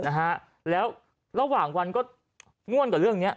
นะฮะแล้วระหว่างวันก็ง่วนกับเรื่องเนี้ย